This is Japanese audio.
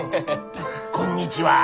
「こんにちは」。